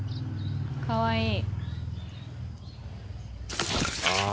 かわいい。